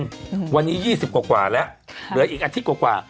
อืมวันนี้ยี่สิบกว่ากว่าแล้วค่ะเหลืออีกอาทิตย์กว่ากว่า